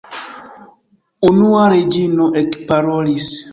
Unua Reĝino ekparolis.